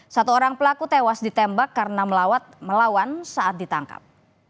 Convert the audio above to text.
satu orang pelaku tewas ditembak karena melawan saat ditangkap